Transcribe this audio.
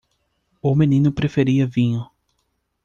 O menino preferia vinho.